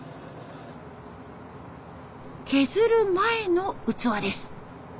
削る前の器です。